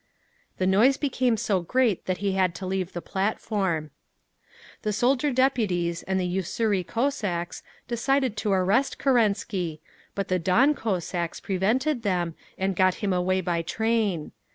The noise became so great that he had to leave the platform…. The soldier deputies and the Ussuri Cossacks decided to arrest Kerensky, but the Don Cossacks prevented them, and got him away by train….